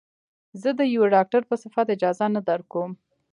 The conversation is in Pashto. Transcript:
زه د يوه ډاکتر په صفت اجازه نه درکم.